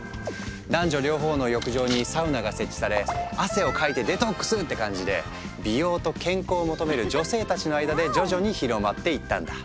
男女両方の浴場にサウナが設置され「汗をかいてデトックス！」って感じで美容と健康を求める女性たちの間で徐々に広まっていったんだ。